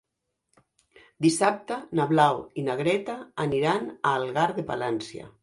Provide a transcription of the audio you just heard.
Dissabte na Blau i na Greta aniran a Algar de Palància.